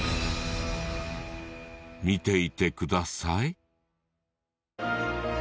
見ていてください。